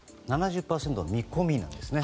７０％の見込みなんですね。